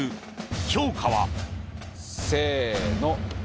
評価はせーの。